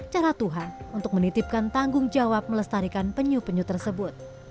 cara tuhan untuk menitipkan tanggung jawab melestarikan penyu penyu tersebut